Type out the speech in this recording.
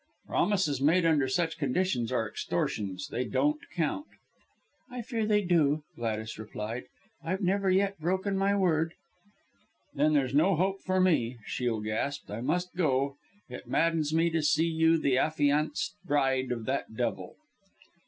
"Promises made under such conditions are mere extortions, they don't count." "I fear they do," Gladys replied. "I've never yet broken my word." "Then there's no hope for me," Shiel gasped. "I must go it maddens me to see you the affianced bride of that devil."